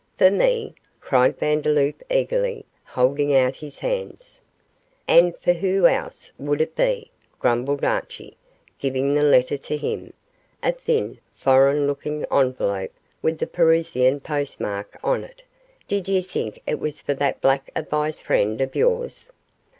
'For me?' cried Vandeloup, eagerly, holding out his hands. 'An' for who else would it be?' grumbled Archie, giving the letter to him a thin, foreign looking envelope with the Parisian post mark on it; 'did ye think it was for that black avised freend o' yours?